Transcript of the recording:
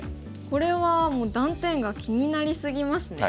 これはもう断点が気になり過ぎますね。